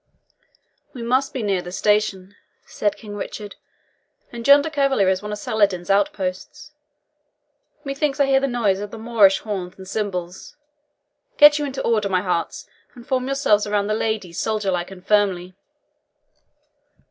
"We must be near the station," said King Richard; "and yonder cavalier is one of Saladin's outposts methinks I hear the noise of the Moorish horns and cymbals. Get you into order, my hearts, and form yourselves around the ladies soldierlike and firmly."